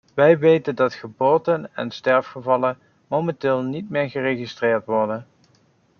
Wij weten dat geboorten en sterfgevallen momenteel niet meer geregistreerd worden.